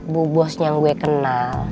bu bos yang gue kenal